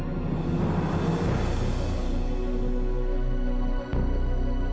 bakal mau boom bornyi dari di comments